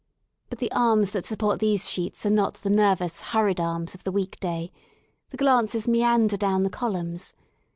But the arms that support these sheets are not the nervous, hurried arms of the week day; the glances meander down the columns.